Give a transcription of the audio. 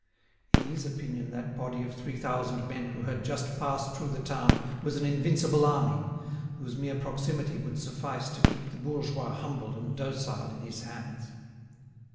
In his opinion that body of three thousand men who had just passed through the town was an invincible army, whose mere proximity would suffice to keep the bourgeois humble and docile in his hands.